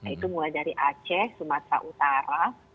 itu mulai dari aceh sumatera utara